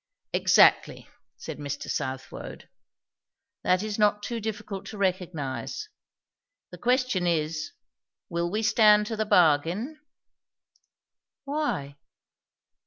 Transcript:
"Exactly," said Mr. Southwode. "That is not difficult to recognize. The question is, will we stand to the bargain?" "Why?"